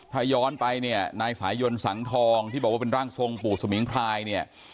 ถ้าย้อนไปนายสายนสังทองที่บอกว่าเป็นร่างทรงปู่สมิงพลาย